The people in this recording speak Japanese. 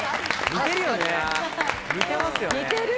似てるよね。